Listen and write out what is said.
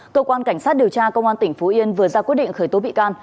cơ quan cảnh sát điều tra công an tỉnh phú yên vừa ra quyết định khởi tố bị can